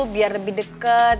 biar lebih deket